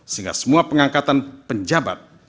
sehingga semua pengangkatan penjabat